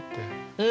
うん！